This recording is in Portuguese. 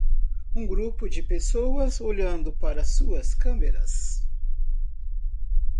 um grupo de pessoas olhando para suas câmeras